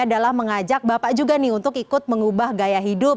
adalah mengajak bapak juga nih untuk ikut mengubah gaya hidup